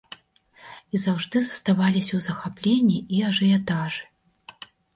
І заўжды заставаліся ў захапленні і ажыятажы!